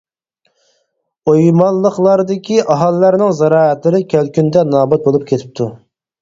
ئويمانلىقلاردىكى ئاھالىلەرنىڭ زىرائەتلىرى كەلكۈندە نابۇت بولۇپ كېتىپتۇ.